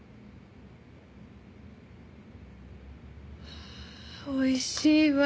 はあおいしいわ。